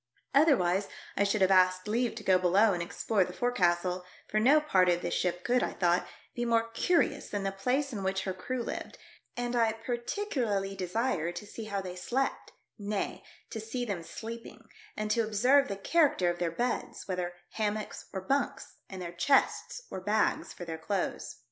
Other wise I should have asked leave to go below and explore the forecastle, for no part of this ship could, I thought, be more curious than the place in which her crew lived, and I par ticularly desired to see how they slept, nay, to see them sleeping and to observe the character of their beds, whether hammocks or bunks, and their chests or bags for their clothes.